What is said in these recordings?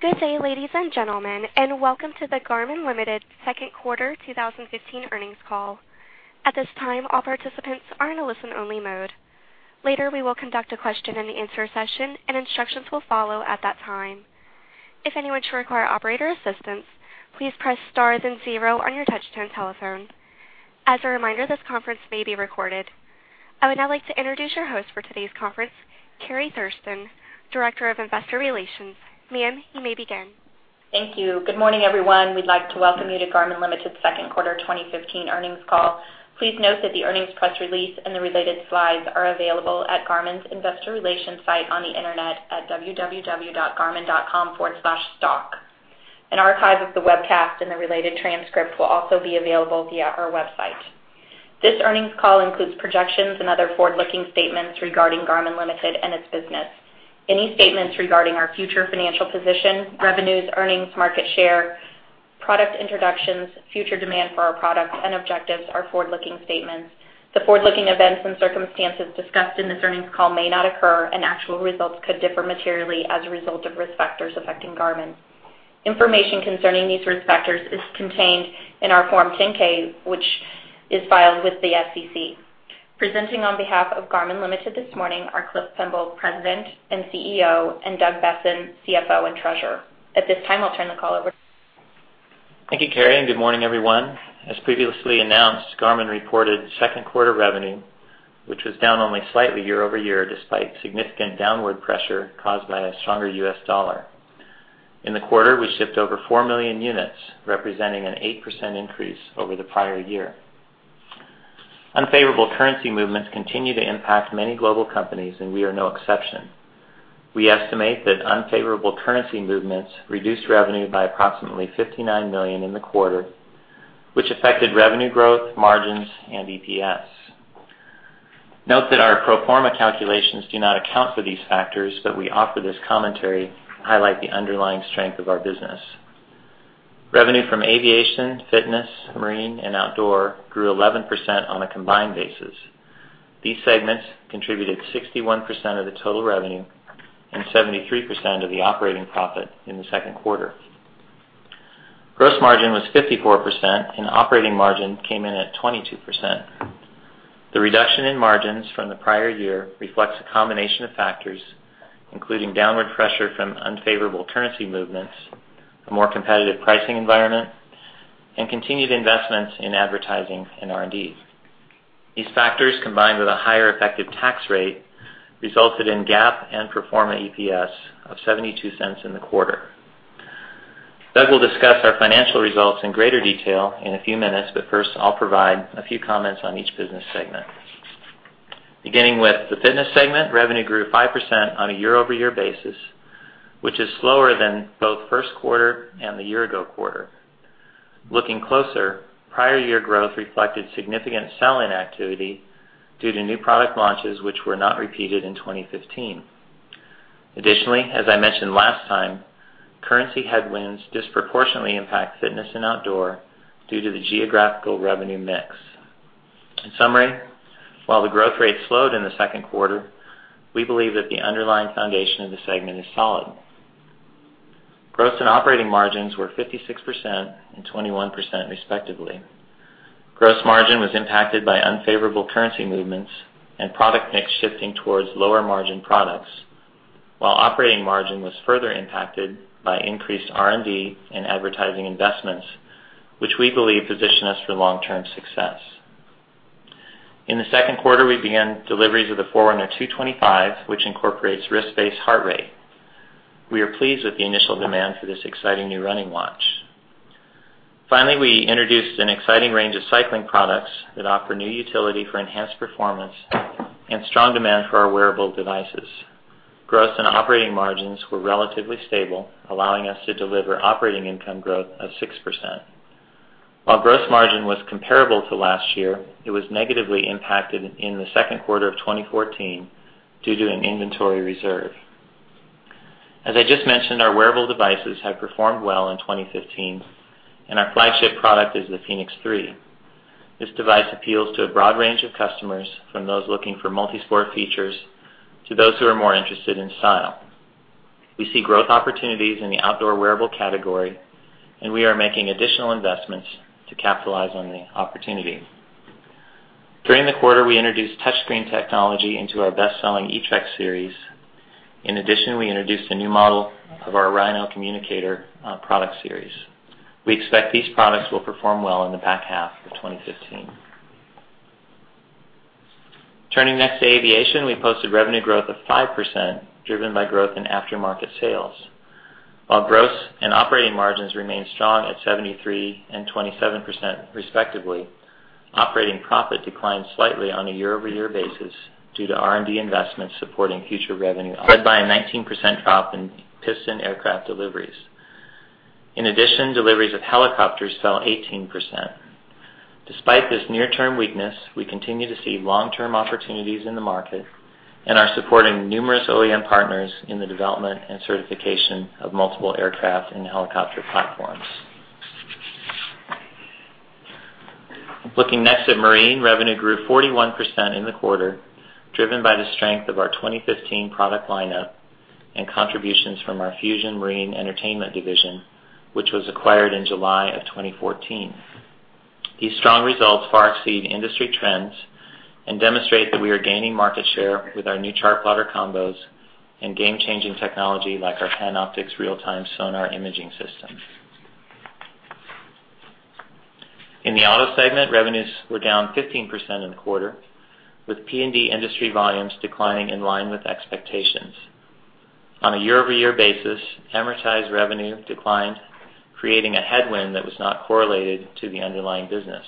Good day, ladies and gentlemen, and welcome to the Garmin Ltd. second quarter 2015 earnings call. At this time, all participants are in a listen only mode. Later, we will conduct a question and answer session, and instructions will follow at that time. If anyone should require operator assistance, please press star and zero on your touch-tone telephone. As a reminder, this conference may be recorded. I would now like to introduce your host for today's conference, Teri Seck, Director of Investor Relations. Ma'am, you may begin. Thank you. Good morning, everyone. We'd like to welcome you to Garmin Ltd.'s second quarter 2015 earnings call. Please note that the earnings press release and the related slides are available at Garmin's investor relations site on the internet at www.garmin.com/stock. An archive of the webcast and the related transcript will also be available via our website. This earnings call includes projections and other forward-looking statements regarding Garmin Ltd. and its business. Any statements regarding our future financial position, revenues, earnings, market share, product introductions, future demand for our products and objectives are forward-looking statements. The forward-looking events and circumstances discussed in this earnings call may not occur, and actual results could differ materially as a result of risk factors affecting Garmin. Information concerning these risk factors is contained in our Form 10-K, which is filed with the SEC. Presenting on behalf of Garmin Ltd. this morning are Cliff Pemble, President and CEO, and Doug Boessen, CFO and Treasurer. At this time, I'll turn the call over. Thank you, Carrie, and good morning, everyone. As previously announced, Garmin reported second quarter revenue, which was down only slightly year-over-year, despite significant downward pressure caused by a stronger U.S. dollar. In the quarter, we shipped over 4 million units, representing an 8% increase over the prior year. Unfavorable currency movements continue to impact many global companies, and we are no exception. We estimate that unfavorable currency movements reduced revenue by approximately $59 million in the quarter, which affected revenue growth, margins, and EPS. Note that our pro forma calculations do not account for these factors, but we offer this commentary to highlight the underlying strength of our business. Revenue from aviation, fitness, marine, and outdoor grew 11% on a combined basis. These segments contributed 61% of the total revenue and 73% of the operating profit in the second quarter. Gross margin was 54%, and operating margin came in at 22%. The reduction in margins from the prior year reflects a combination of factors, including downward pressure from unfavorable currency movements, a more competitive pricing environment, and continued investments in advertising and R&D. These factors, combined with a higher effective tax rate, resulted in GAAP and pro forma EPS of $0.72 in the quarter. Doug will discuss our financial results in greater detail in a few minutes, but first, I'll provide a few comments on each business segment. Beginning with the Fitness Segment, revenue grew 5% on a year-over-year basis, which is slower than both first quarter and the year ago quarter. Looking closer, prior year growth reflected significant sell-in activity due to new product launches, which were not repeated in 2015. Additionally, as I mentioned last time, currency headwinds disproportionately impact Fitness and Outdoor due to the geographical revenue mix. In summary, while the growth rate slowed in the second quarter, we believe that the underlying foundation of the segment is solid. Gross and operating margins were 56% and 21%, respectively. Gross margin was impacted by unfavorable currency movements and product mix shifting towards lower margin products, while operating margin was further impacted by increased R&D and advertising investments, which we believe position us for long-term success. In the second quarter, we began deliveries of the Forerunner 225, which incorporates wrist-based heart rate. We are pleased with the initial demand for this exciting new running watch. Finally, we introduced an exciting range of cycling products that offer new utility for enhanced performance and strong demand for our wearable devices. Gross and operating margins were relatively stable, allowing us to deliver operating income growth of 6%. While gross margin was comparable to last year, it was negatively impacted in the second quarter of 2014 due to an inventory reserve. As I just mentioned, our wearable devices have performed well in 2015, and our flagship product is the fēnix 3. This device appeals to a broad range of customers, from those looking for multisport features to those who are more interested in style. We see growth opportunities in the Outdoor wearable category, and we are making additional investments to capitalize on the opportunity. During the quarter, we introduced touchscreen technology into our best-selling eTrex series. In addition, we introduced a new model of our inReach communicator product series. We expect these products will perform well in the back half of 2015. Turning next to Aviation, we posted revenue growth of 5%, driven by growth in aftermarket sales. While gross and operating margins remained strong at 73% and 27%, respectively, operating profit declined slightly on a year-over-year basis due to R&D investments supporting future revenue led by a 19% drop in piston aircraft deliveries. In addition, deliveries of helicopters fell 18%. Despite this near-term weakness, we continue to see long-term opportunities in the market and are supporting numerous OEM partners in the development and certification of multiple aircraft and helicopter platforms. Looking next at Marine revenue grew 41% in the quarter, driven by the strength of our 2015 product lineup and contributions from our Fusion Marine Entertainment division, which was acquired in July of 2014. These strong results far exceed industry trends and demonstrate that we are gaining market share with our new chart plotter combos and game-changing technology like our Panoptix Real-Time Sonar Imaging System. In the Auto segment, revenues were down 15% in the quarter, with PND industry volumes declining in line with expectations. On a year-over-year basis, amortized revenue declined, creating a headwind that was not correlated to the underlying business.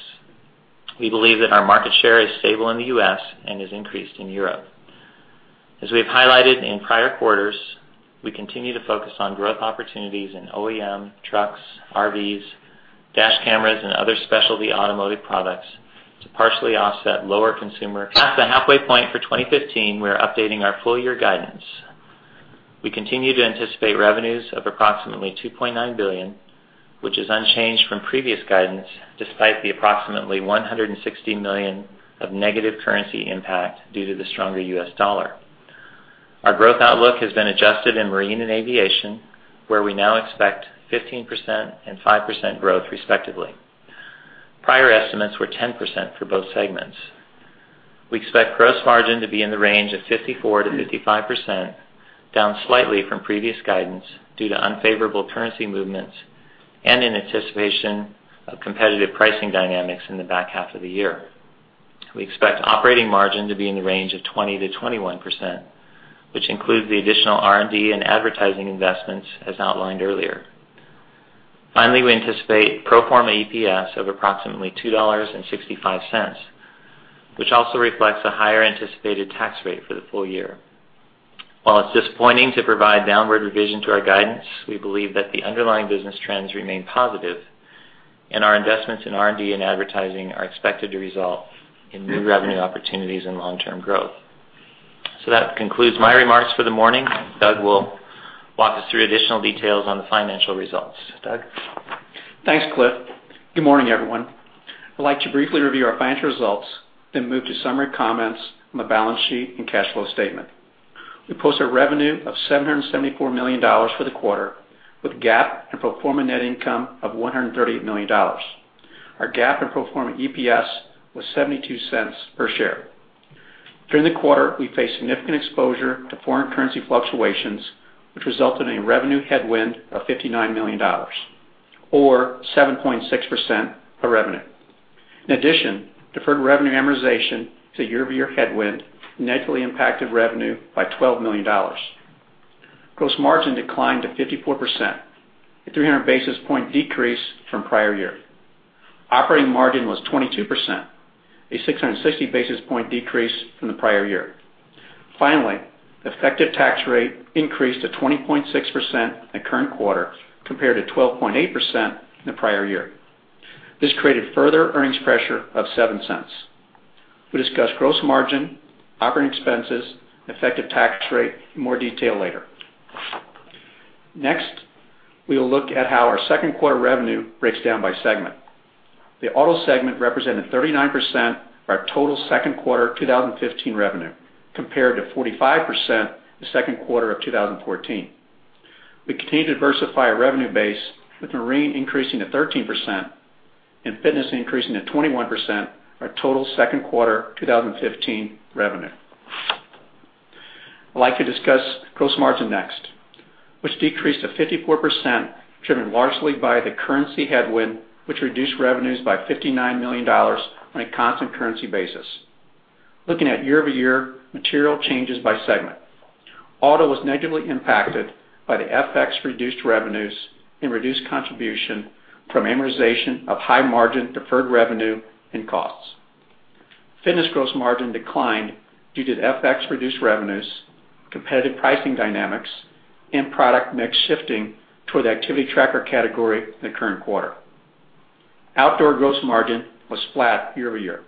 We believe that our market share is stable in the U.S. and has increased in Europe. As we have highlighted in prior quarters, we continue to focus on growth opportunities in OEM, trucks, RVs, dash cameras, and other specialty automotive products to partially offset lower consumer. Past the halfway point for 2015, we are updating our full-year guidance. We continue to anticipate revenues of approximately $2.9 billion, which is unchanged from previous guidance despite the approximately $160 million of negative currency impact due to the stronger U.S. dollar. Our growth outlook has been adjusted in Marine and Aviation, where we now expect 15% and 5% growth respectively. Prior estimates were 10% for both segments. We expect gross margin to be in the range of 54%-55%, down slightly from previous guidance due to unfavorable currency movements and in anticipation of competitive pricing dynamics in the back half of the year. We expect operating margin to be in the range of 20%-21%, which includes the additional R&D and advertising investments as outlined earlier. Finally, we anticipate pro forma EPS of approximately $2.65, which also reflects a higher anticipated tax rate for the full year. While it's disappointing to provide downward revision to our guidance, we believe that the underlying business trends remain positive and our investments in R&D and advertising are expected to result in new revenue opportunities and long-term growth. That concludes my remarks for the morning. Doug will walk us through additional details on the financial results. Doug? Thanks, Cliff. Good morning, everyone. I'd like to briefly review our financial results, then move to summary comments on the balance sheet and cash flow statement. We posted revenue of $774 million for the quarter, with GAAP and pro forma net income of $138 million. Our GAAP and pro forma EPS was $0.72 per share. During the quarter, we faced significant exposure to foreign currency fluctuations, which resulted in a revenue headwind of $59 million or 7.6% of revenue. In addition, deferred revenue amortization as a year-over-year headwind negatively impacted revenue by $12 million. Gross margin declined to 54%, a 300 basis point decrease from prior year. Operating margin was 22%, a 660 basis point decrease from the prior year. Finally, effective tax rate increased to 20.6% in the current quarter, compared to 12.8% in the prior year. This created further earnings pressure of $0.07. We'll discuss gross margin, operating expenses, and effective tax rate in more detail later. Next, we will look at how our second quarter revenue breaks down by segment. The Auto segment represented 39% of our total second quarter 2015 revenue, compared to 45% in the second quarter of 2014. We continue to diversify our revenue base, with Marine increasing to 13% and Fitness increasing to 21% our total second quarter 2015 revenue. I'd like to discuss gross margin next, which decreased to 54%, driven largely by the currency headwind, which reduced revenues by $59 million on a constant currency basis. Looking at year-over-year material changes by segment. Auto was negatively impacted by the FX-reduced revenues and reduced contribution from amortization of high-margin deferred revenue and costs. Fitness gross margin declined due to the FX-reduced revenues, competitive pricing dynamics, and product mix shifting toward the activity tracker category in the current quarter. Outdoor gross margin was flat year-over-year,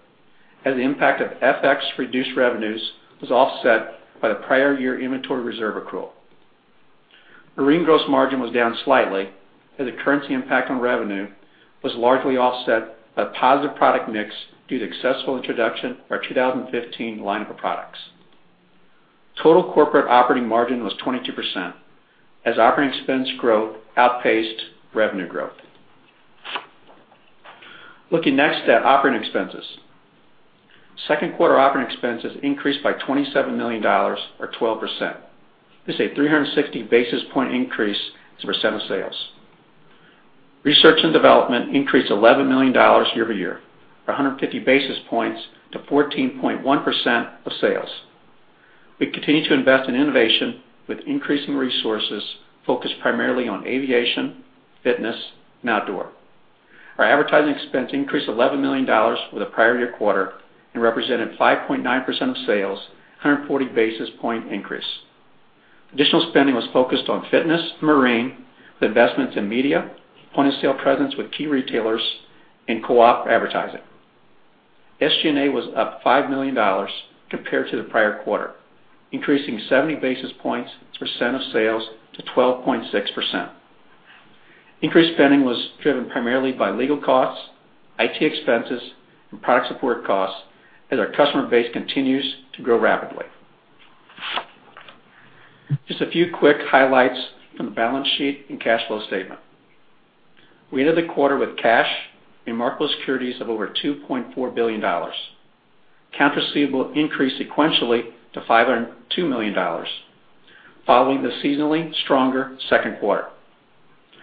as the impact of FX-reduced revenues was offset by the prior year inventory reserve accrual. Marine gross margin was down slightly, as the currency impact on revenue was largely offset by positive product mix due to the successful introduction of our 2015 line of products. Total corporate operating margin was 22% as operating expense growth outpaced revenue growth. Looking next at operating expenses. Second quarter operating expenses increased by $27 million or 12%. This is a 360 basis point increase as a % of sales. Research and development increased $11 million year-over-year, or 150 basis points to 14.1% of sales. We continue to invest in innovation with increasing resources focused primarily on aviation, fitness, and outdoor. Our advertising expense increased $11 million for the prior year quarter and represented 5.9% of sales, 140 basis point increase. Additional spending was focused on Fitness and Marine, with investments in media, point-of-sale presence with key retailers, and co-op advertising. SG&A was up $5 million compared to the prior quarter, increasing 70 basis points as % of sales to 12.6%. Increased spending was driven primarily by legal costs, IT expenses, and product support costs as our customer base continues to grow rapidly. Just a few quick highlights from the balance sheet and cash flow statement. We ended the quarter with cash and marketable securities of over $2.4 billion. Account receivable increased sequentially to $502 million, following the seasonally stronger second quarter.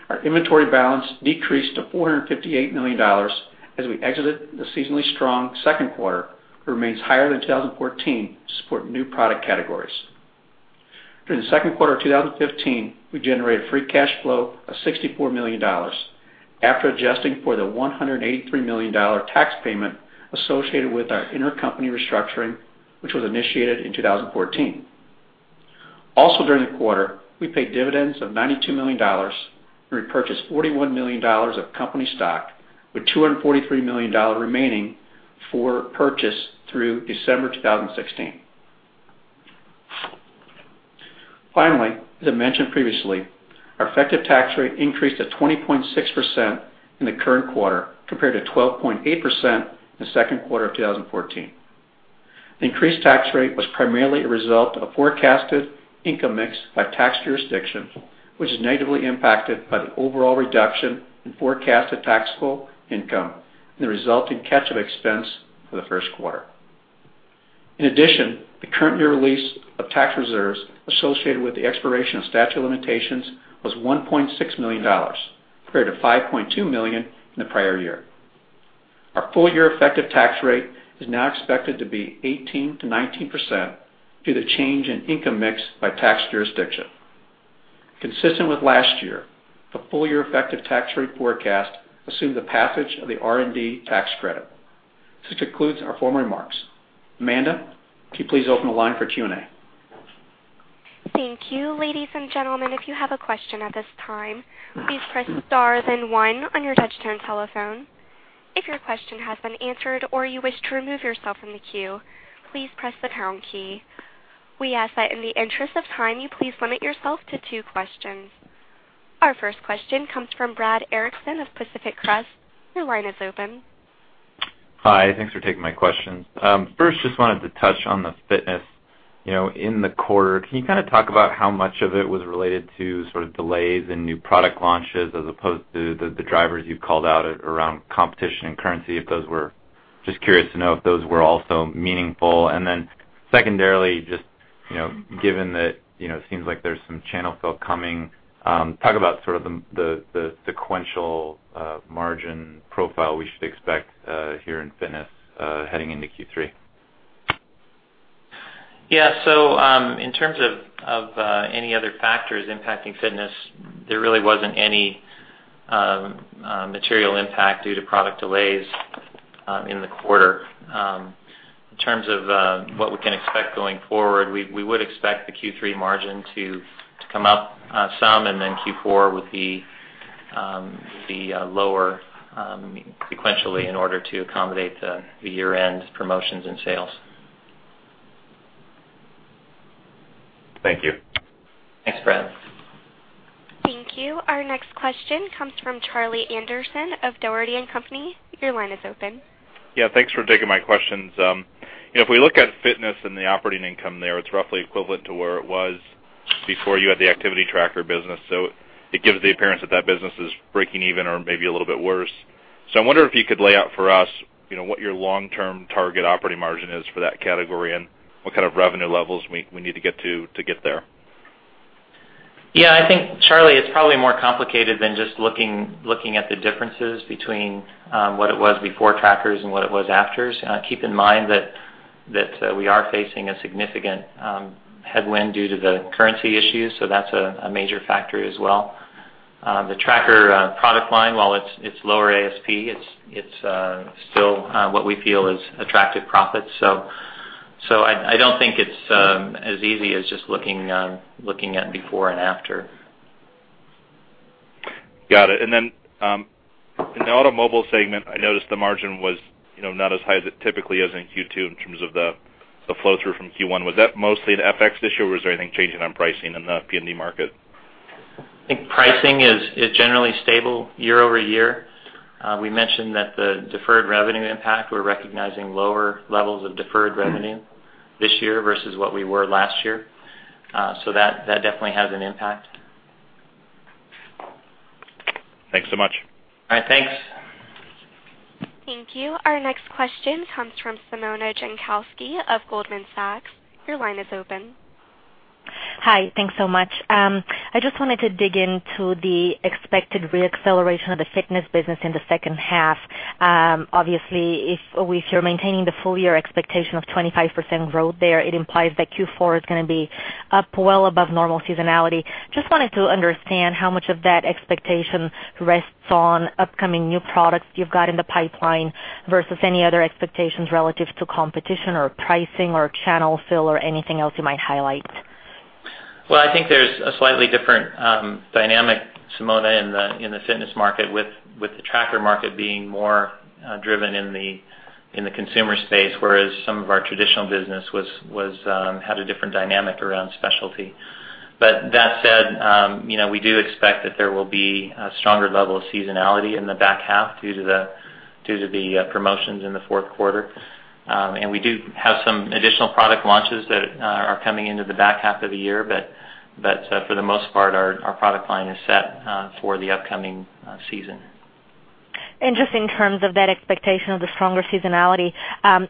Our inventory balance decreased to $458 million as we exited the seasonally strong second quarter, but remains higher than 2014 to support new product categories. During the second quarter of 2015, we generated free cash flow of $64 million after adjusting for the $183 million tax payment associated with our intercompany restructuring, which was initiated in 2014. During the quarter, we paid dividends of $92 million and repurchased $41 million of company stock, with $243 million remaining for purchase through December 2016. As I mentioned previously, our effective tax rate increased to 20.6% in the current quarter, compared to 12.8% in the second quarter of 2014. The increased tax rate was primarily a result of forecasted income mix by tax jurisdiction, which is negatively impacted by the overall reduction in forecasted taxable income and the resulting catch-up expense for the first quarter. In addition, the current year release of tax reserves associated with the expiration of statute of limitations was $1.6 million, compared to $5.2 million in the prior year. Our full-year effective tax rate is now expected to be 18%-19% due to change in income mix by tax jurisdiction. Consistent with last year, the full-year effective tax rate forecast assumed the passage of the R&D tax credit. This concludes our formal remarks. Amanda, could you please open the line for Q&A? Thank you. Ladies and gentlemen, if you have a question at this time, please press star then one on your touch-tone telephone. If your question has been answered or you wish to remove yourself from the queue, please press the pound key. We ask that in the interest of time, you please limit yourself to two questions. Our first question comes from Brad Erickson of Pacific Crest. Your line is open. Hi. Thanks for taking my questions. First, just wanted to touch on the fitness in the quarter. Can you talk about how much of it was related to delays in new product launches as opposed to the drivers you've called out around competition and currency? Just curious to know if those were also meaningful. Secondarily, just given that it seems like there's some channel fill coming, talk about the sequential margin profile we should expect here in fitness heading into Q3. Yeah. In terms of any other factors impacting fitness, there really wasn't any material impact due to product delays in the quarter. In terms of what we can expect going forward, we would expect the Q3 margin to come up some, Q4 would be lower sequentially in order to accommodate the year-end promotions and sales. Thank you. Thanks, Brad. Thank you. Our next question comes from Charlie Anderson of Dougherty & Company. Your line is open. Yeah. Thanks for taking my questions. If we look at fitness and the operating income there, it's roughly equivalent to where it was before you had the activity tracker business. It gives the appearance that that business is breaking even or maybe a little bit worse. I wonder if you could lay out for us what your long-term target operating margin is for that category and what kind of revenue levels we need to get to get there. Yeah. I think, Charlie, it's probably more complicated than just looking at the differences between what it was before trackers and what it was after. Keep in mind that we are facing a significant headwind due to the currency issues, that's a major factor as well. The tracker product line, while it's lower ASP, it's still what we feel is attractive profits. I don't think it's as easy as just looking at before and after. Got it. Then in the automobile segment, I noticed the margin was not as high as it typically is in Q2 in terms of the flow-through from Q1. Was that mostly an FX issue or was there anything changing on pricing in the PND market? I think pricing is generally stable year-over-year. We mentioned that the deferred revenue impact, we're recognizing lower levels of deferred revenue this year versus what we were last year. That definitely has an impact. Thanks so much. All right. Thanks. Thank you. Our next question comes from Simona Jankowski of Goldman Sachs. Your line is open. Hi. Thanks so much. I just wanted to dig into the expected re-acceleration of the fitness business in the second half. Obviously, if you're maintaining the full-year expectation of 25% growth there, it implies that Q4 is going to be up well above normal seasonality. Just wanted to understand how much of that expectation rests on upcoming new products you've got in the pipeline versus any other expectations relative to competition or pricing or channel fill or anything else you might highlight. Well, I think there's a slightly different dynamic, Simona, in the fitness market with the tracker market being more driven in the In the consumer space, whereas some of our traditional business had a different dynamic around specialty. That said, we do expect that there will be a stronger level of seasonality in the back half due to the promotions in the fourth quarter. We do have some additional product launches that are coming into the back half of the year, but for the most part, our product line is set for the upcoming season. Just in terms of that expectation of the stronger seasonality,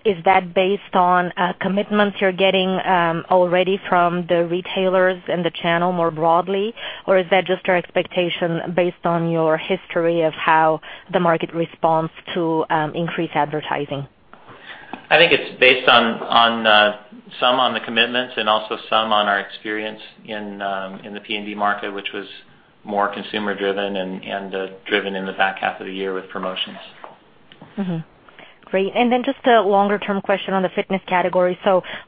is that based on commitments you're getting already from the retailers and the channel more broadly, or is that just your expectation based on your history of how the market responds to increased advertising? I think it's based on some on the commitments and also some on our experience in the PND market, which was more consumer driven and driven in the back half of the year with promotions. Great. Then just a longer-term question on the fitness category.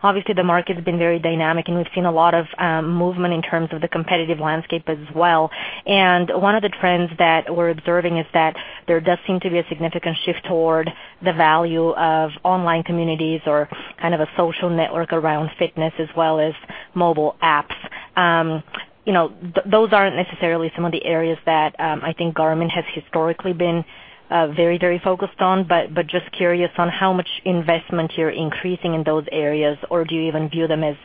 Obviously the market's been very dynamic, and we've seen a lot of movement in terms of the competitive landscape as well. One of the trends that we're observing is that there does seem to be a significant shift toward the value of online communities or kind of a social network around fitness as well as mobile apps. Those aren't necessarily some of the areas that I think Garmin has historically been very focused on, but just curious on how much investment you're increasing in those areas, or do you even view them as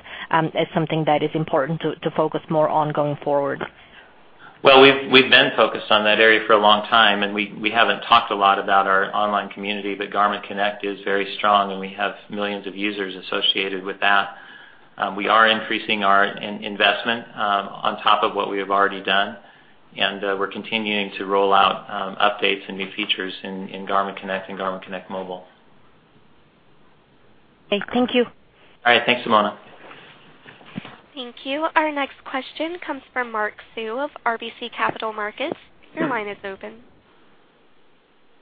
something that is important to focus more on going forward? Well, we've been focused on that area for a long time, and we haven't talked a lot about our online community, but Garmin Connect is very strong, and we have millions of users associated with that. We are increasing our investment on top of what we have already done, and we're continuing to roll out updates and new features in Garmin Connect and Garmin Connect Mobile. Okay. Thank you. All right. Thanks, Simona. Thank you. Our next question comes from Mark Sue of RBC Capital Markets. Your line is open.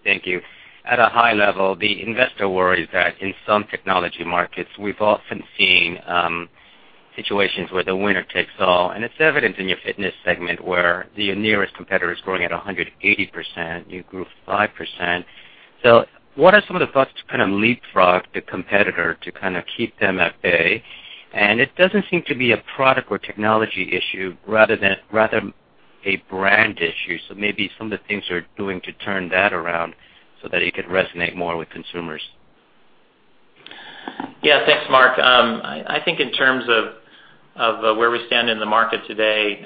Thank you. At a high level, the investor worries that in some technology markets, we've often seen situations where the winner takes all, and it's evident in your fitness segment where the nearest competitor is growing at 180%, you grew 5%. What are some of the thoughts to kind of leapfrog the competitor to kind of keep them at bay? It doesn't seem to be a product or technology issue rather a brand issue. Maybe some of the things you're doing to turn that around so that it could resonate more with consumers. Yeah. Thanks, Mark. I think in terms of where we stand in the market today,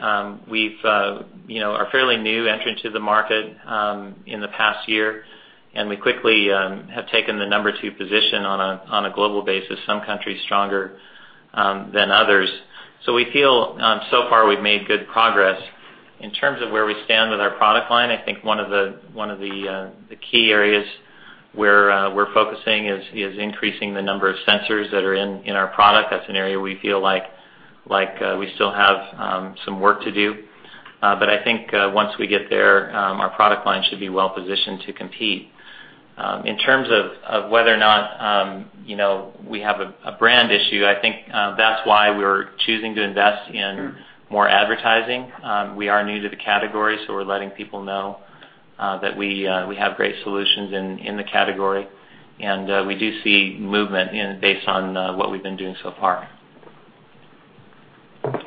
we are fairly new entrant to the market, in the past year. We quickly have taken the number 2 position on a global basis, some countries stronger than others. We feel so far we've made good progress. In terms of where we stand with our product line, I think one of the key areas where we're focusing is increasing the number of sensors that are in our product. That's an area we feel like we still have some work to do. I think once we get there, our product line should be well positioned to compete. In terms of whether or not we have a brand issue, I think that's why we're choosing to invest in more advertising. We are new to the category, so we're letting people know that we have great solutions in the category, and we do see movement based on what we've been doing so far.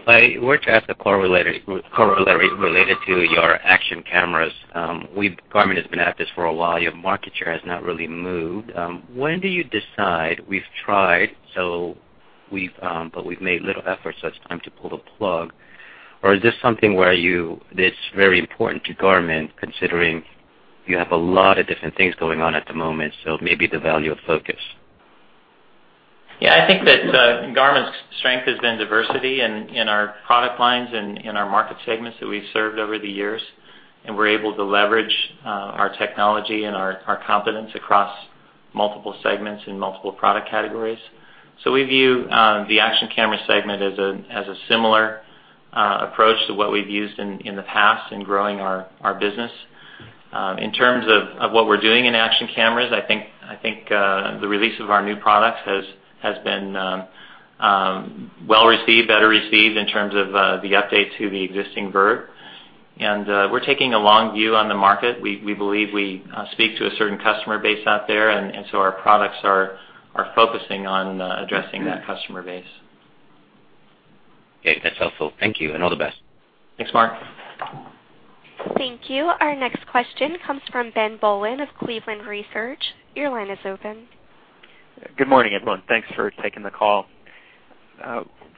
I want to ask a corollary related to your action cameras. Garmin has been at this for a while. Your market share has not really moved. When do you decide we've tried, but we've made little effort, so it's time to pull the plug? Is this something where it's very important to Garmin, considering you have a lot of different things going on at the moment, so maybe the value of focus? Yeah, I think that Garmin's strength has been diversity in our product lines and in our market segments that we've served over the years. We're able to leverage our technology and our competence across multiple segments and multiple product categories. We view the action camera segment as a similar approach to what we've used in the past in growing our business. In terms of what we're doing in action cameras, I think the release of our new products has been well received, better received in terms of the update to the existing VIRB. We're taking a long view on the market. We believe we speak to a certain customer base out there, our products are focusing on addressing that customer base. Okay. That's helpful. Thank you, and all the best. Thanks, Mark. Thank you. Our next question comes from Ben Bollin of Cleveland Research. Your line is open. Good morning, everyone. Thanks for taking the call.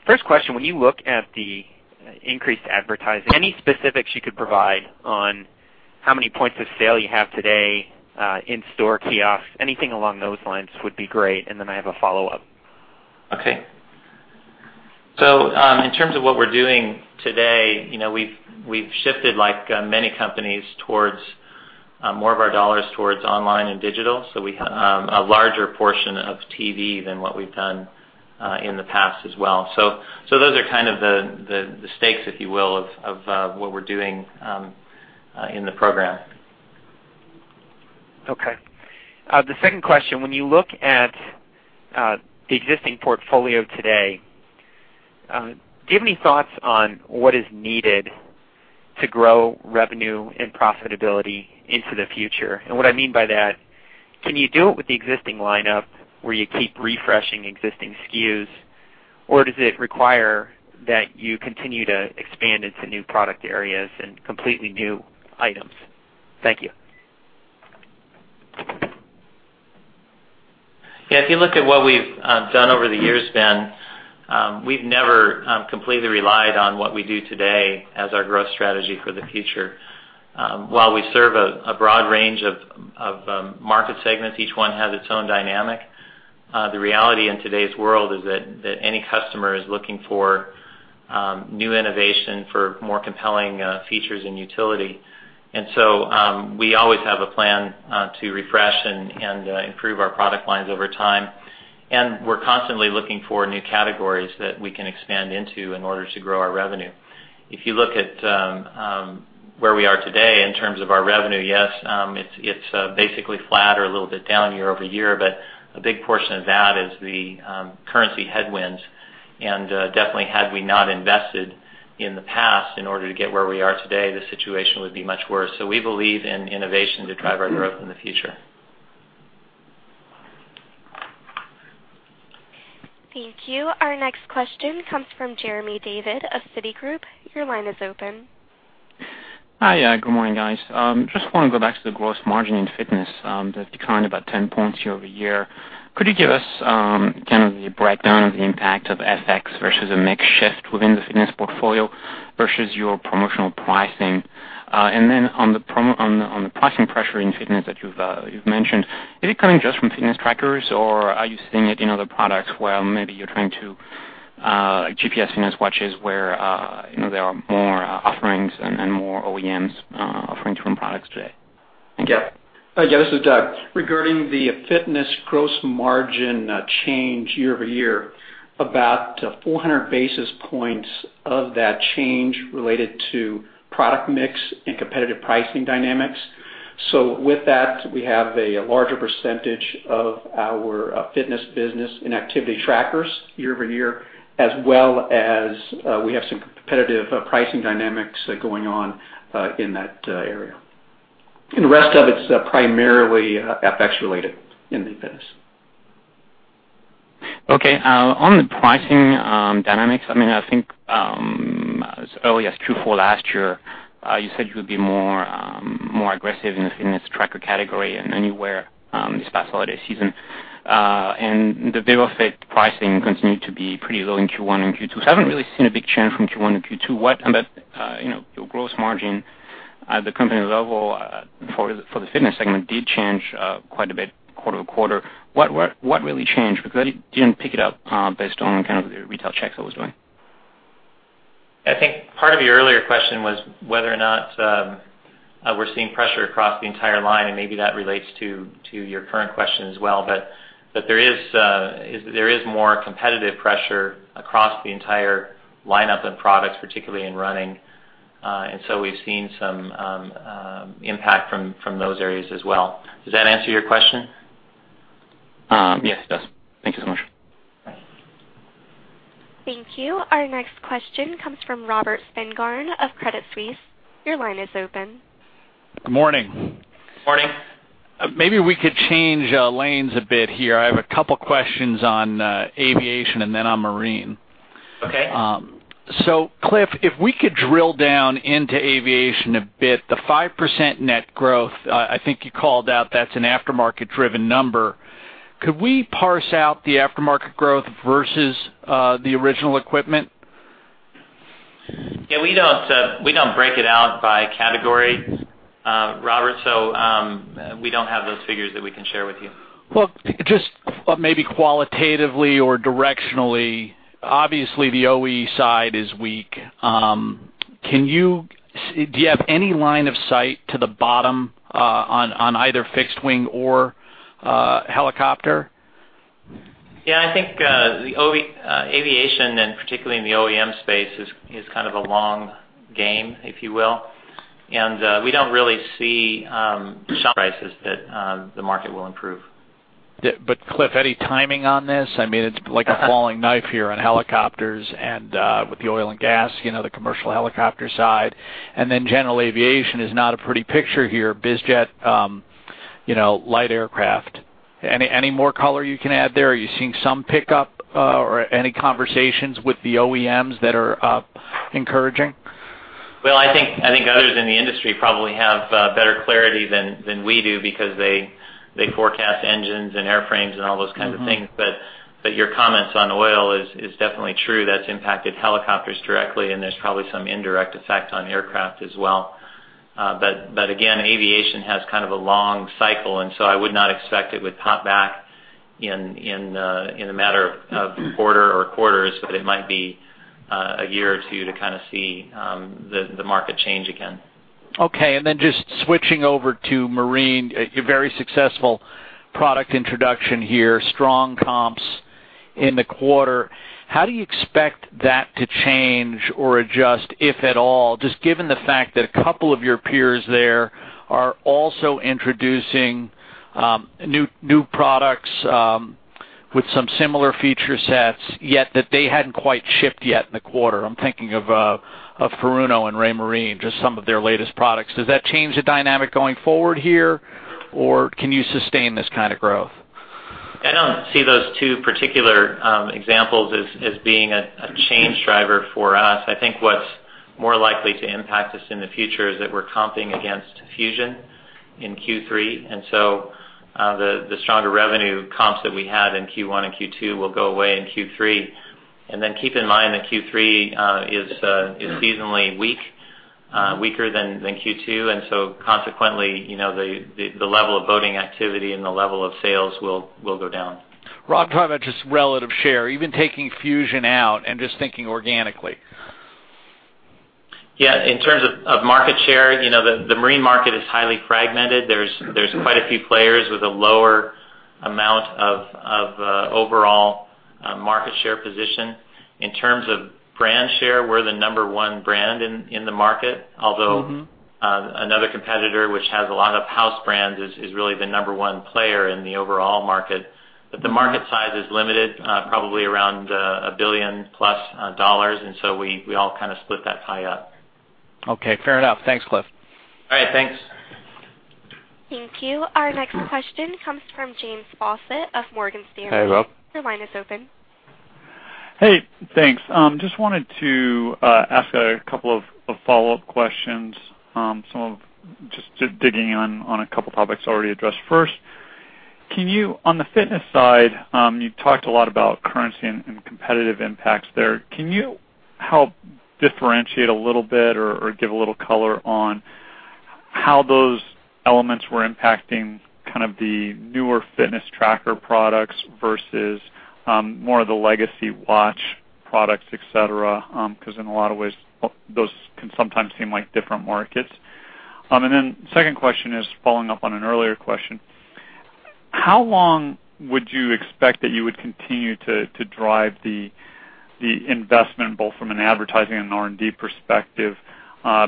First question, when you look at the increased advertising, any specifics you could provide on how many points of sale you have today, in-store kiosks, anything along those lines would be great, then I have a follow-up. Okay. In terms of what we're doing today, we've shifted like many companies towards more of our dollars towards online and digital. We have a larger portion of TV than what we've done in the past as well. Those are kind of the stakes, if you will, of what we're doing in the program. Okay. The second question, when you look at the existing portfolio today? Do you have any thoughts on what is needed to grow revenue and profitability into the future? What I mean by that, can you do it with the existing lineup where you keep refreshing existing SKUs, or does it require that you continue to expand into new product areas and completely new items? Thank you. Yeah. If you look at what we've done over the years, Ben, we've never completely relied on what we do today as our growth strategy for the future. While we serve a broad range of market segments, each one has its own dynamic. The reality in today's world is that any customer is looking for new innovation, for more compelling features and utility. We always have a plan to refresh and improve our product lines over time. We're constantly looking for new categories that we can expand into in order to grow our revenue. If you look at where we are today in terms of our revenue, yes, it's basically flat or a little bit down year-over-year, a big portion of that is the currency headwinds, definitely had we not invested in the past in order to get where we are today, the situation would be much worse. We believe in innovation to drive our growth in the future. Thank you. Our next question comes from Jeremy David of Citigroup. Your line is open. Hi. Good morning, guys. Just want to go back to the gross margin in fitness. The decline about 10 points year-over-year. Could you give us kind of the breakdown of the impact of FX versus a mix shift within the fitness portfolio versus your promotional pricing? Then on the pricing pressure in fitness that you've mentioned, is it coming just from fitness trackers, or are you seeing it in other products where maybe you're trying to GPS fitness watches where there are more offerings and more OEMs offering different products today. Thank you. Yeah. This is Doug. Regarding the fitness gross margin change year-over-year, about 400 basis points of that change related to product mix and competitive pricing dynamics. With that, we have a larger percentage of our fitness business and activity trackers year-over-year, as well as we have some competitive pricing dynamics going on in that area. The rest of it's primarily FX related in the fitness. Okay. On the pricing dynamics, I think, as early as Q4 last year, you said you would be more aggressive in the fitness tracker category anywhere this past holiday season. The vívofit pricing continued to be pretty low in Q1 and Q2, so I haven't really seen a big change from Q1 to Q2. What about your gross margin at the company level for the fitness segment did change quite a bit quarter-over-quarter. What really changed? I didn't pick it up based on kind of the retail checks I was doing. I think part of your earlier question was whether or not we're seeing pressure across the entire line, and maybe that relates to your current question as well, but there is more competitive pressure across the entire lineup of products, particularly in running. We've seen some impact from those areas as well. Does that answer your question? Yes, it does. Thank you so much. Okay. Thank you. Our next question comes from Robert Spingarn of Credit Suisse. Your line is open. Good morning. Morning. Maybe we could change lanes a bit here. I have a couple questions on aviation and then on marine. Okay. Cliff, if we could drill down into aviation a bit. The 5% net growth, I think you called out that's an aftermarket-driven number. Could we parse out the aftermarket growth versus the original equipment? Yeah, we don't break it out by category, Robert, so we don't have those figures that we can share with you. Well, just maybe qualitatively or directionally, obviously the OE side is weak. Do you have any line of sight to the bottom on either fixed wing or helicopter? Yeah, I think the aviation, and particularly in the OEM space, is kind of a long game, if you will. We don't really see some prices that the market will improve. Cliff, any timing on this? It's like a falling knife here on helicopters and with the oil and gas, the commercial helicopter side, and general aviation is not a pretty picture here. BizJet, light aircraft. Any more color you can add there? Are you seeing some pickup or any conversations with the OEMs that are encouraging? Well, I think others in the industry probably have better clarity than we do because they forecast engines and airframes and all those kinds of things. Your comments on oil is definitely true. That's impacted helicopters directly, and there's probably some indirect effect on aircraft as well. Again, aviation has kind of a long cycle, I would not expect it would pop back in a matter of a quarter or quarters, but it might be a year or two to kind of see the market change again. Just switching over to marine. Your very successful product introduction here, strong comps in the quarter. How do you expect that to change or adjust, if at all, just given the fact that a couple of your peers there are also introducing new products with some similar feature sets, yet that they hadn't quite shipped yet in the quarter. I'm thinking of Furuno and Raymarine, just some of their latest products. Does that change the dynamic going forward here, or can you sustain this kind of growth? I don't see those two particular examples as being a change driver for us. I think what's more likely to impact us in the future is that we're comping against Fusion in Q3. The stronger revenue comps that we had in Q1 and Q2 will go away in Q3. Keep in mind that Q3 is seasonally weak, weaker than Q2, consequently, the level of boating activity and the level of sales will go down. Rob, I'm talking about just relative share, even taking Fusion out and just thinking organically. In terms of market share, the marine market is highly fragmented. There's quite a few players with a lower amount of overall market share position. In terms of brand share, we're the number one brand in the market, although. another competitor, which has a lot of house brands, is really the number one player in the overall market. The market size is limited, probably around a $1 billion-plus, we all kind of split that pie up. Okay. Fair enough. Thanks, Cliff. All right. Thanks. Thank you. Our next question comes from James Fawcett of Morgan Stanley. Hey, Rob. Your line is open. Hey, thanks. Just wanted to ask a couple of follow-up questions, just digging in on a couple of topics already addressed. First, on the fitness side, you've talked a lot about currency and competitive impacts there. Can you help differentiate a little bit or give a little color on how those elements were impacting kind of the newer fitness tracker products versus more of the legacy watch products, et cetera? In a lot of ways, those can sometimes seem like different markets. Second question is following up on an earlier question. How long would you expect that you would continue to drive the investment, both from an advertising and an R&D perspective,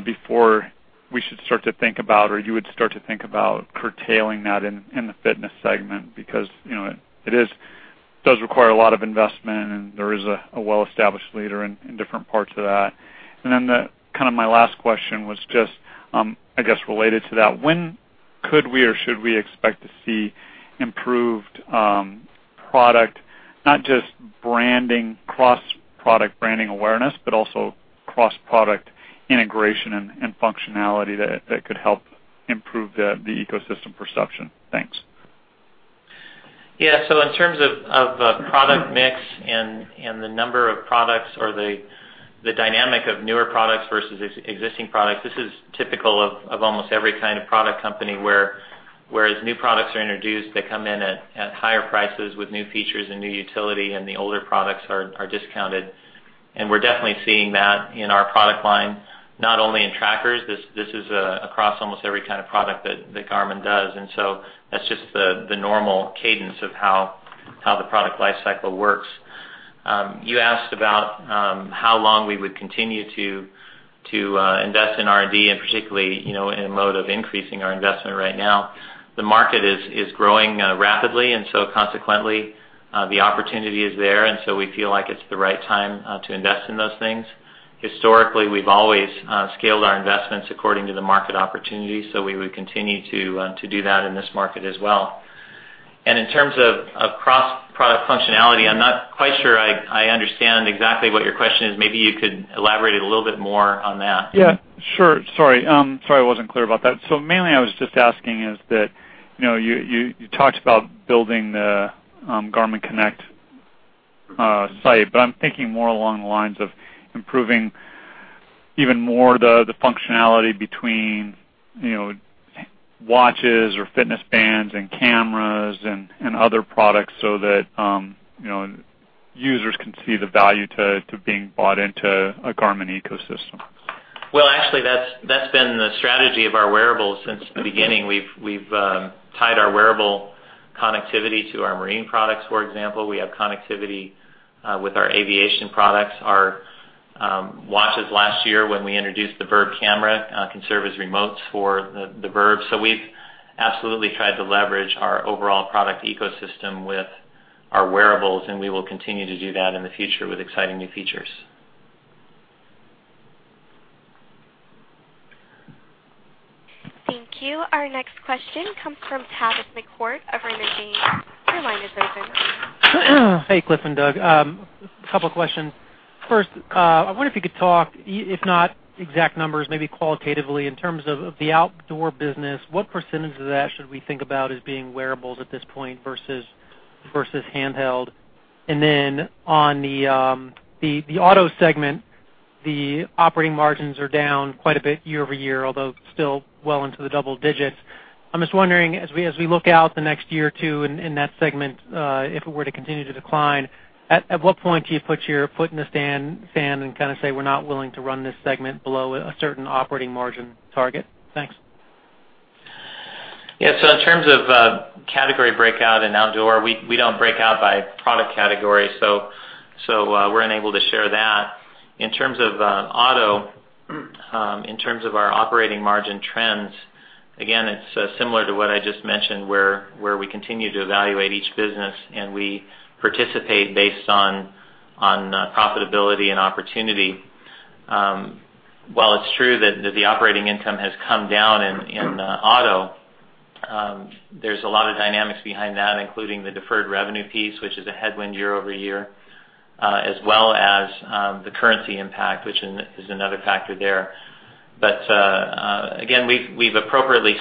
before we should start to think about, or you would start to think about curtailing that in the fitness segment? It does require a lot of investment, and there is a well-established leader in different parts of that. My last question was just, I guess, related to that. When could we or should we expect to see improved product, not just cross-product branding awareness, but also cross-product integration and functionality that could help improve the ecosystem perception? Thanks. Yeah. In terms of product mix and the number of products or the dynamic of newer products versus existing products, this is typical of almost every kind of product company, where as new products are introduced, they come in at higher prices with new features and new utility, and the older products are discounted. We're definitely seeing that in our product line, not only in trackers. This is across almost every kind of product that Garmin does. That's just the normal cadence of how the product life cycle works. You asked about how long we would continue to invest in R&D, and particularly, in mode of increasing our investment right now. The market is growing rapidly, and so consequently, the opportunity is there, and so we feel like it's the right time to invest in those things. Historically, we've always scaled our investments according to the market opportunity, so we would continue to do that in this market as well. In terms of cross-product functionality, I'm not quite sure I understand exactly what your question is. Maybe you could elaborate a little bit more on that. Yeah. Sure. Sorry I wasn't clear about that. Mainly, I was just asking is that, you talked about building the Garmin Connect site, but I'm thinking more along the lines of improving even more the functionality between watches or fitness bands and cameras and other products so that users can see the value to being bought into a Garmin ecosystem. Well, actually, that's been the strategy of our wearables since the beginning. We've tied our wearable connectivity to our marine products, for example. We have connectivity with our aviation products. Our watches last year, when we introduced the VIRB camera, can serve as remotes for the VIRB. We've absolutely tried to leverage our overall product ecosystem with our wearables, and we will continue to do that in the future with exciting new features. Thank you. Our next question comes from Tavis McCourt of Raymond James. Your line is open. Hey, Cliff and Doug. A couple of questions. First, I wonder if you could talk, if not exact numbers, maybe qualitatively, in terms of the outdoor business, what percentage of that should we think about as being wearables at this point versus handheld? On the Auto segment, the operating margins are down quite a bit year-over-year, although still well into the double digits. I'm just wondering, as we look out the next year or two in that segment, if it were to continue to decline, at what point do you put your line in the sand and kind of say, we're not willing to run this segment below a certain operating margin target? Thanks. In terms of category breakout in outdoor, we don't break out by product category, so we're unable to share that. In terms of our operating margin trends, again, it's similar to what I just mentioned, where we continue to evaluate each business and we participate based on profitability and opportunity. While it's true that the operating income has come down in Auto, there's a lot of dynamics behind that, including the deferred revenue piece, which is a headwind year-over-year, as well as the currency impact, which is another factor there. Again, we've appropriately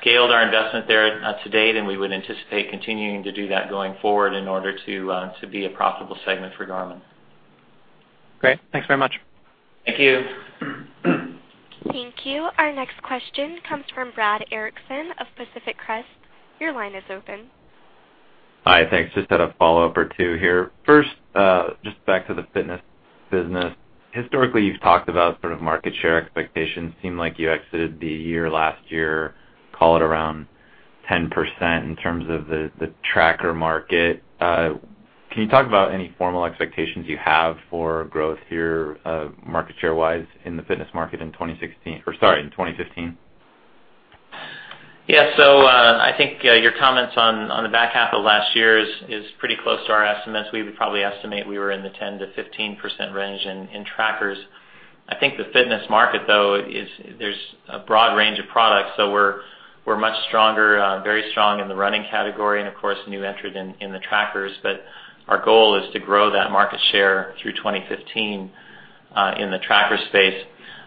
scaled our investment there to date, and we would anticipate continuing to do that going forward in order to be a profitable segment for Garmin. Great. Thanks very much. Thank you. Thank you. Our next question comes from Brad Erickson of Pacific Crest. Your line is open. Hi. Thanks. Just had a follow-up or two here. First, just back to the fitness business. Historically, you've talked about sort of market share expectations. Seemed like you exited the year last year, call it around 10% in terms of the tracker market. Can you talk about any formal expectations you have for growth here, market share-wise, in the fitness market in 2016 or sorry, in 2015? Yeah. I think your comments on the back half of last year is pretty close to our estimates. We would probably estimate we were in the 10%-15% range in trackers. I think the fitness market, though, there's a broad range of products. We're much stronger, very strong in the running category and, of course, new entrants in the trackers. Our goal is to grow that market share through 2015, in the tracker space.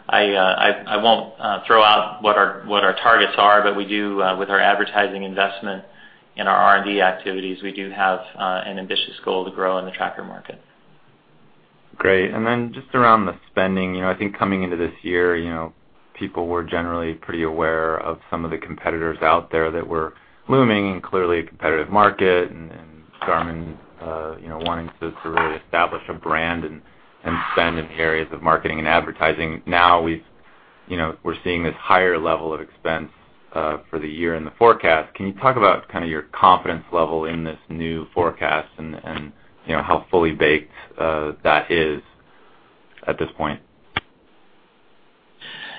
I won't throw out what our targets are, but we do with our advertising investment in our R&D activities, we do have an ambitious goal to grow in the tracker market. Great. Just around the spending, I think coming into this year, people were generally pretty aware of some of the competitors out there that were looming, clearly a competitive market, and Garmin wanting to sort of establish a brand and spend in the areas of marketing and advertising. We're seeing this higher level of expense for the year in the forecast. Can you talk about kind of your confidence level in this new forecast and how fully baked that is at this point?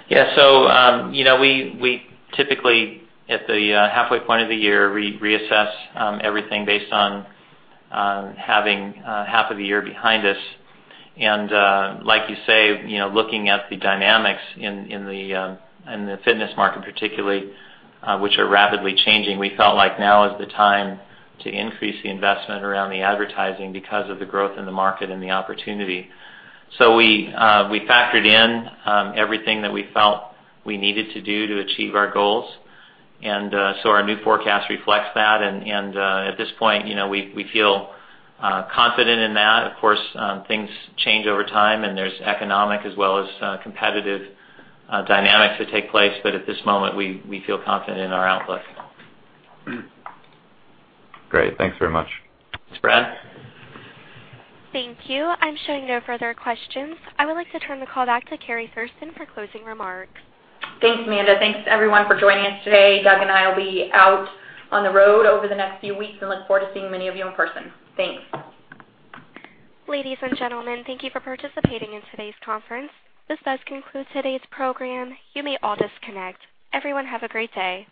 Yeah. We typically, at the halfway point of the year, reassess everything based on having half of the year behind us. Like you say, looking at the dynamics in the fitness market particularly, which are rapidly changing, we felt like now is the time to increase the investment around the advertising because of the growth in the market and the opportunity. We factored in everything that we felt we needed to do to achieve our goals. Our new forecast reflects that, and at this point we feel confident in that. Of course, things change over time, and there's economic as well as competitive dynamics that take place. At this moment, we feel confident in our outlook. Great. Thanks very much. Thanks, Brad. Thank you. I'm showing no further questions. I would like to turn the call back to Teri Seck for closing remarks. Thanks, Amanda. Thanks everyone for joining us today. Doug and I will be out on the road over the next few weeks and look forward to seeing many of you in person. Thanks. Ladies and gentlemen, thank you for participating in today's conference. This does conclude today's program. You may all disconnect. Everyone have a great day.